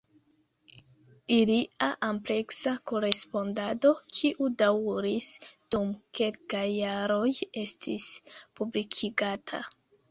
Ilia ampleksa korespondado, kiu daŭris dum kelkaj jaroj, estis publikigata.